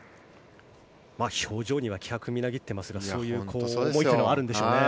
表情には気迫がみなぎっていますがそういう思いというのはあるんでしょうね。